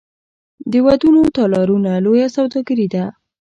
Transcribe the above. د ودونو تالارونه لویه سوداګري ده